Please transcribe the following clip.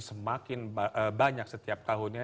semakin banyak setiap tahunnya